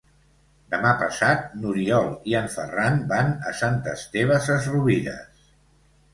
Demà passat n'Oriol i en Ferran van a Sant Esteve Sesrovires.